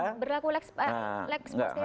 jadi berlaku leks posterior